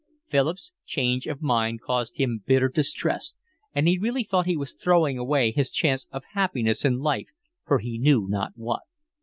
Philip's change of mind caused him bitter distress, and he really thought he was throwing away his chance of happiness in life for he knew not what.